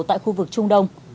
tại khu vực trung đông